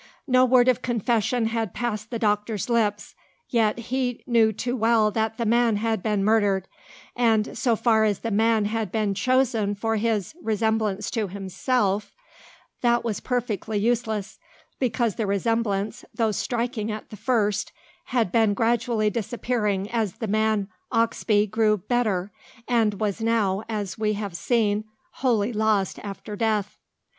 No word of confession had passed the doctor's lips, yet he knew too well that the man had been murdered; and, so far as the man had been chosen for his resemblance to himself, that was perfectly useless, because the resemblance, though striking at the first, had been gradually disappearing as the man Oxbye grew better; and was now, as we have seen, wholly lost after death.